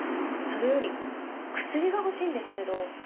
それより薬が欲しいんですけど。